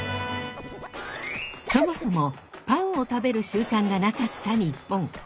そもそもパンを食べる習慣がなかった日本。